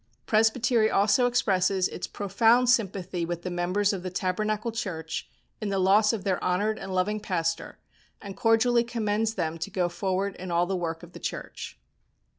Presbytery also expresses its profound sympathy with the members of the Tabernacle Church in the loss of their honoured and loving pastor, and cordially commends them to go forward in all the work of the church."